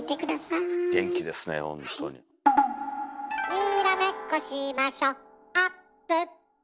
「にらめっこしましょあっぷっぷ」